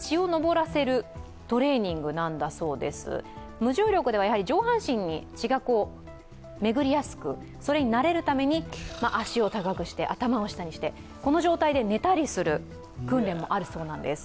無重力では上半身に血が巡りやすくそれに慣れるために足を高くして、頭を下にしてこの状態で寝たりする訓練もあるそうなんです。